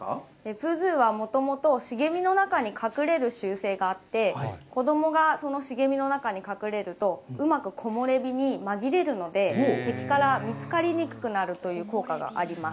プーズーは、もともと、茂みの中に隠れる習性があって、子どもがその茂みの中に隠れると、うまく木漏れ日に紛れるので、敵から見つかりにくくなるという効果があります。